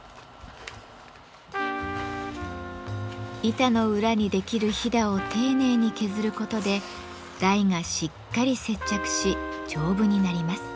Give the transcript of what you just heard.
板の裏にできるひだを丁寧に削ることで台がしっかり接着し丈夫になります。